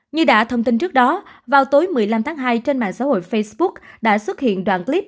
như đã thông tin trước đó vào tối một mươi năm tháng hai trên mạng xã hội facebook đã xuất hiện đoạn clip